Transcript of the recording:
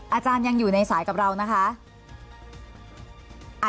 อาจารย์ยังอยู่ในสายกับเรานะคะ